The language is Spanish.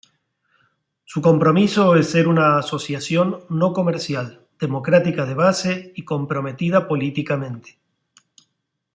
Su compromiso es ser una asociación no comercial, democrática de base y comprometida políticamente.